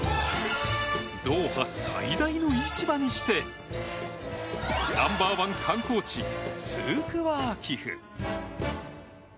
ドーハ最大の市場にしてナンバーワン観光地スーク・ワーキフ。